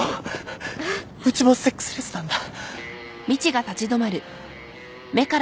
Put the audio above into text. うちもセックスレスなんだ。